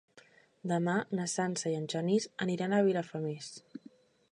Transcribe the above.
Demà na Sança i en Genís aniran a Vilafamés.